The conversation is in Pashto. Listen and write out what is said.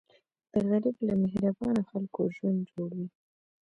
غریب له مهربانه خلکو ژوند جوړوي